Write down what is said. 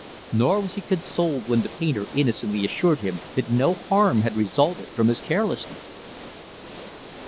Nor was he consoled when the painter innocently assured him that no harm had resulted from his carelessness.